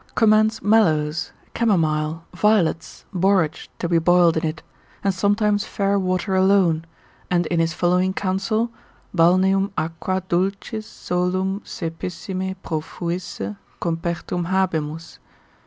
commends mallows, camomile, violets, borage to be boiled in it, and sometimes fair water alone, and in his following counsel, Balneum aquae dulcis solum saepissime profuisse compertum habemus.